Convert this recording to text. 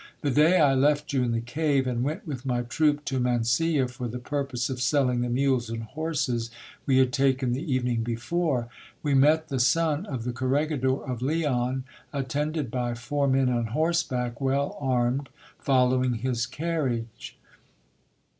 The day I left you in the cave, and went with my troop to Mansilla, for the purpose of selling the mules and horses we* had taken the evening before, we met the son of the corregidor of Leon, attended by four men on horseback well armed, following his carriage.